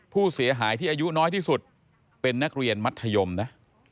ผู้เสียหายที่อายุน้อยที่สุดเป็นนักเรียนมัธยมนะ